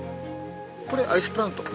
これアイスプラント。